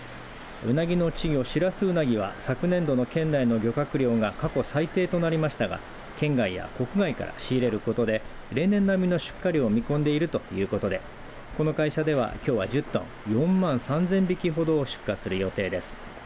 うなぎの稚魚、シラスウナギは昨年度の県内の漁獲量が過去最低となりましたが県外や国外から仕入れることで例年並みの出荷量を見込んでいるということでこの会社では、きょうは１０トン４万３０００匹ほどを出荷する予定です。